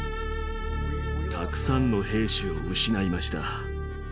たくさんの兵士を失いました。